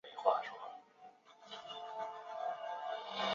山西黄芩为唇形科黄芩属下的一个种。